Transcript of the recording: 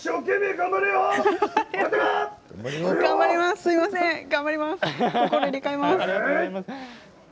頑張ります。